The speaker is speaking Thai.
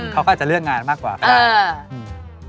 เขาก็อาจจะเลือกงานมากกว่าก็ได้